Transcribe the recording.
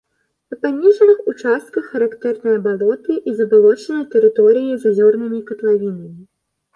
На паніжаных участках характэрныя балоты і забалочаныя тэрыторыі з азёрнымі катлавінамі.